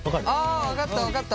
あ分かった分かった。